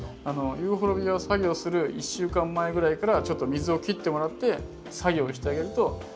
ユーフォルビアを作業する１週間前ぐらいからちょっと水を切ってもらって作業をしてあげると樹液も飛ばない